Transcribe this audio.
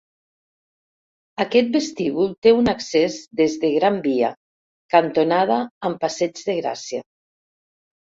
Aquest vestíbul té un accés des de Gran Via, cantonada amb Passeig de Gràcia.